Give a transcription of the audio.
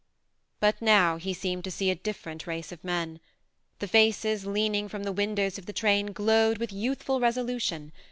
But now he seemed to see a different race of men. The faces leaning from the windows of the train glowed with youthful resolution.